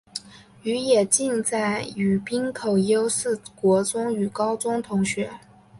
有野晋哉与滨口优是国中与高中同学。